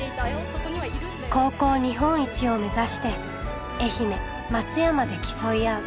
高校日本一を目指して愛媛・松山で競い合う。